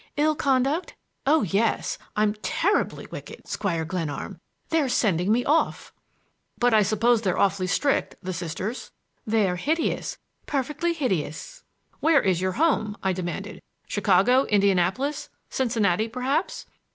"Ill conduct? Oh, yes; I'm terribly wicked, Squire Glenarm! They're sending me off." "But I suppose they're awfully strict, the Sisters." "They're hideous,—perfectly hideous." "Where is your home?" I demanded. "Chicago, Indianapolis, Cincinnati, perhaps?"